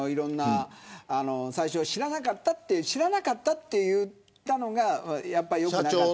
最初は知らなかったと言ったのが良くなかった。